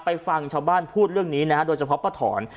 ไปฟังชาวบ้านพูดเรื่องนี้นะโดยเฉพาะเบลอทอน